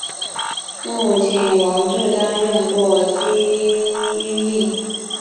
父亲王志担任过济阴令。